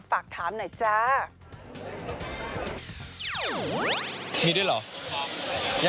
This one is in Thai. ฝากถามหน่อยจ้า